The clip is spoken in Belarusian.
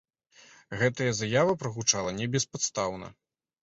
Гэтая заява прагучала не беспадстаўна.